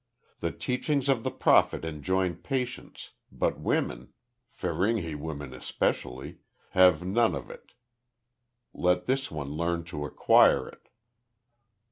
The teachings of the Prophet enjoin patience, but women Feringhi women especially have none of it. Let this one learn to acquire it."